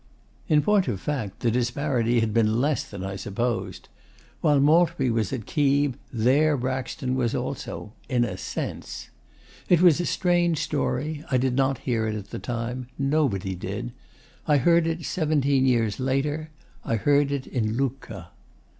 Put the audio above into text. In point of fact, the disparity had been less than I supposed. While Maltby was at Keeb, there Braxton was also in a sense.... It was a strange story. I did not hear it at the time. Nobody did. I heard it seventeen years later. I heard it in Lucca.